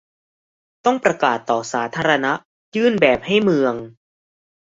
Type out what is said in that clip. ต้องประกาศต่อสาธารณะ ยื่นแบบให้เมือง